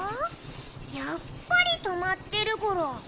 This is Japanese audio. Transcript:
やっぱり止まってるゴロ。